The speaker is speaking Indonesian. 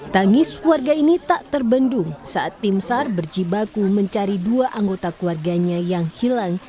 tangis warga ini tak terbendung saat tim sar berjibaku mencari dua anggota keluarganya yang hilang